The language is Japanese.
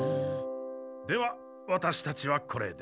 ではワタシたちはこれで。